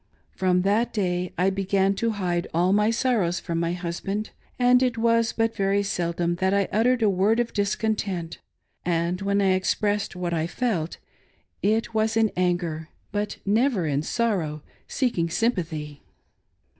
From that day I began to hide all my sorrows from my husband, and it was but very seldom that 1 1 uttered a word of discontent, and when I expressed what I felt, it was in anger ; but never in sorrow, seeking sympathy.